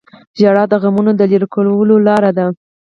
• ژړا د غمونو د لرې کولو لاره ده.